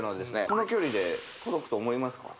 この距離で届くと思いますか？